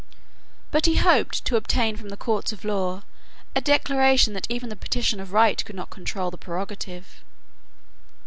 But he hoped to obtain from the courts of law a declaration that even the Petition of Right could not control the prerogative.